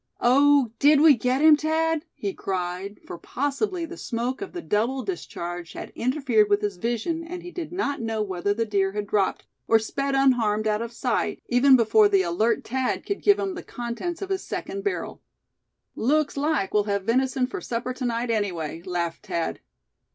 "Oh! did we get him, Thad?" he cried; for possibly the smoke of the double discharge had interfered with his vision, and he did not know whether the deer had dropped, or sped unharmed out of sight, even before the alert Thad could give him the contents of his second barrel. "Looks like we'll have venison for supper to night, anyway," laughed Thad.